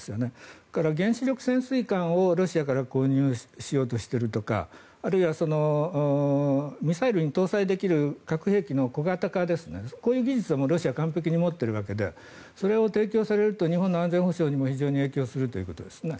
それから原子力潜水艦をロシアから購入しようとしているとかあるいはミサイルに搭載できる核兵器の小型化ですねこういう技術をロシアは完璧に持っているわけでそれを提供されると日本の安全保障にも非常に影響するということですね。